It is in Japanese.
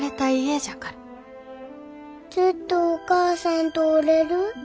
ずっとお母さんとおれる？